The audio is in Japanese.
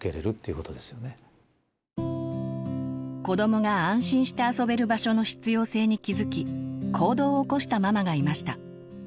子どもが安心して遊べる場所の必要性に気づき行動を起こしたママがいました。